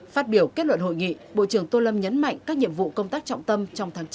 phát biểu kết luận hội nghị bộ trưởng tô lâm nhấn mạnh các nhiệm vụ công tác trọng tâm trong tháng chín